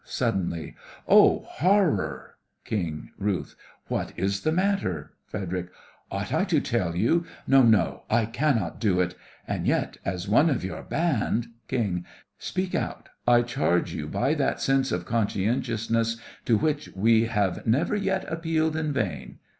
(Suddenly) Oh, horror! KING/RUTH: What is the matter? FREDERIC: Ought I to tell you? No, no, I cannot do it; and yet, as one of your band— KING: Speak out, I charge you by that sense of conscientiousness to which we have never yet appealed in vain.